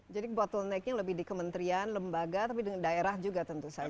jadi bottlenecknya lebih di kementerian lembaga tapi dengan daerah juga tentu saja ini